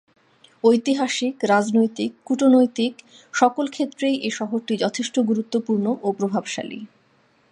ঐতিহাসিক, রাজনৈতিক, কূটনৈতিক, সকল ক্ষেত্রেই এ শহরটি যথেষ্ট গুরুত্বপূর্ণ ও প্রভাবশালী।